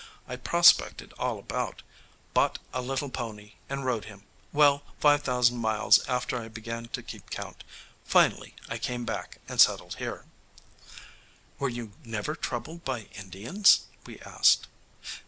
I prospected all about: bought a little pony, and rode him well, five thousand miles after I began to keep count. Finally, I came back and settled here." "Were you never troubled by Indians?" we asked.